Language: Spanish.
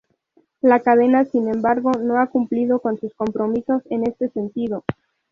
La cadena, sin embargo, no ha cumplido con sus compromisos en este sentido.